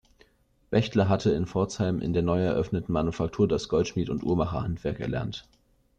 Bechtler hatte in Pforzheim in der neu eröffneten Manufaktur das Goldschmied und Uhrmacherhandwerk erlernt.